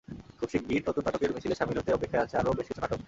খুব শিগগির নতুন নাটকের মিছিলে শামিল হতে অপেক্ষায় আছে আরও বেশ কিছু নাটক।